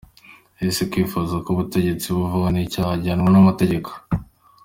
Ese kwifuza ko ubutegetsi buvaho ni icyaha gihanwa n’amategeko?